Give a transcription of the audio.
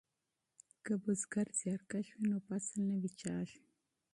که بزګر زیارکښ وي نو فصل نه وچیږي.